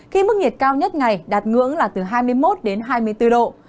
khi mức nhiệt cao nhất ngày đạt ngưỡng là từ hai mươi một đến hai mươi bốn độ